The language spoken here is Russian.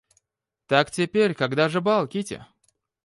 Так теперь когда же бал, Кити?